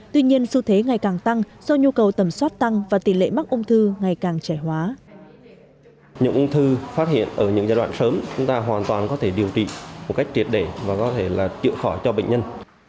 phát hiện ở những giai đoạn sớm chúng ta hoàn toàn có thể điều trị một cách triệt để và có thể là chịu khỏi cho bệnh nhân